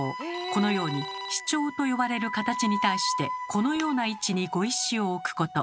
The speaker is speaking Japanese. このようにシチョウと呼ばれる形に対してこのような位置に碁石を置くこと。